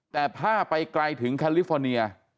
แต่ถ้าไปไกลถึงแคลิฟอร์เนีย